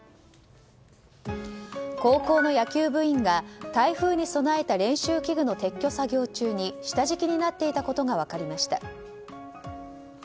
高校の野球部員が台風に備えた練習器具の撤去作業中に下敷きになっていたことが分かりました。